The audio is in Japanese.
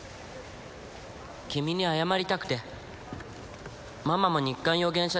君に謝りたくてママも日刊予言者